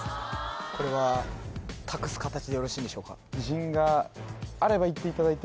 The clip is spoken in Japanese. これは託すかたちでよろしいんでしょうか？